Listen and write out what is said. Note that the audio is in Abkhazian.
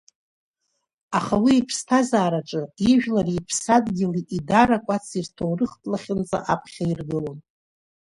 Аха уи иԥсҭазаараҿы ижәлари иԥсадгьыли, идаракәаци рҭоурыхтә лахьынҵа аԥхьа иргылон.